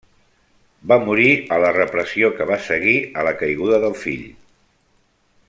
Va morir a la repressió que va seguir a la caiguda del fill.